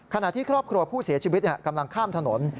ขณะที่ครอบครัวผู้เสียชีวิตกำลังข้ามถนน